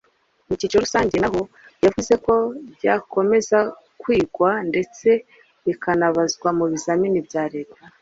Mu cyiciro rusange na ho yavuze ko ryakomeza kwigwa ndetse rikanabazwa mu bizamini bya Leta